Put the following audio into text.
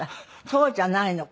そうじゃないの。